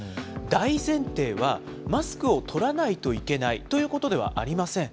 大前提は、マスクを取らないといけないということではありません。